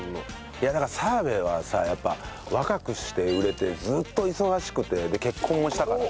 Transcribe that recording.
いやだから澤部はさやっぱ若くして売れてずっと忙しくて結婚もしたからさ。